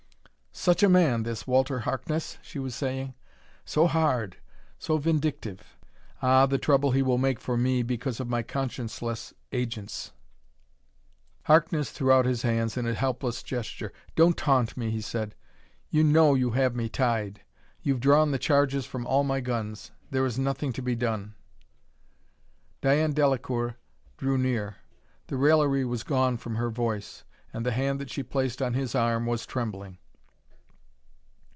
"Such a man, this Walter Harkness!" she was saying. "So hard, so vindictive! Ah, the trouble he will make for me because of my conscienceless agents!" Harkness threw out his hands in a helpless gesture. "Don't taunt me," he said. "You know you have me tied. You've drawn the charges from all my guns. There is nothing to be done." Diane Delacoeur drew near. The raillery was gone from her voice, and the hand that she placed on his arm was trembling.